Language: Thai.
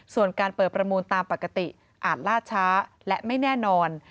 ส่วนการเปิดประมูลตามปกติอาจล่าช้าและไม่แน่นอน